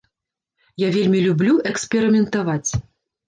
Я вельмі люблю эксперыментаваць.